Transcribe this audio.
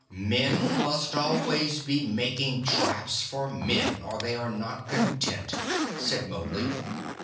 "Men must always be making traps for men, or they are not content," said Mowgli.